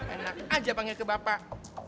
enak aja panggil ke bapak